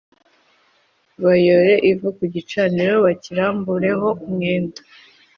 Bayore ivu ku gicaniro bakirambureho umwenda